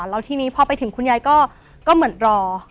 แล้วทีนี้พอไปถึงคุณยายก็เหมือนรอ